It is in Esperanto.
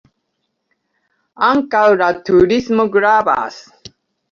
Ankaŭ la turismo gravas.